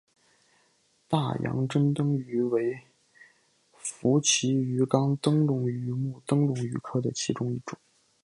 大洋珍灯鱼为辐鳍鱼纲灯笼鱼目灯笼鱼科的其中一种。